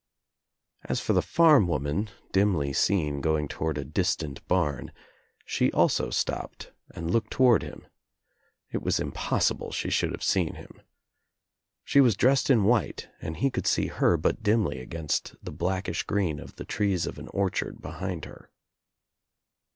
As for the farm woman, dimly seen going toward a distant barn, she also stopped and looked toward him. It was impossible she should have seen him. She was dressed in white and he could see her but dimly against the blackish green of the trees of an orchard behind her.